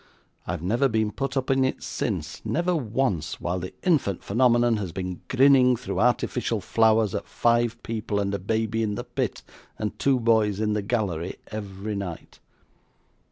I've never been put up in it since never once while the "infant phenomenon" has been grinning through artificial flowers at five people and a baby in the pit, and two boys in the gallery, every night.